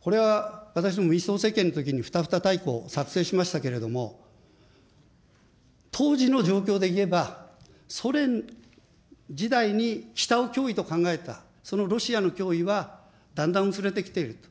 これは私ども、民主党政権のときに作成しましたけれども、当時の状況で言えば、ソ連時代に北を脅威と考えた、そのロシアの脅威はだんだん薄れてきていると。